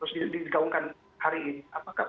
harus digaungkan hari ini apakah